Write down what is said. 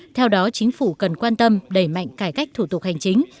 theo đó chính phủ cần quan tâm đẩy mạnh cải cách thủ tục hành chính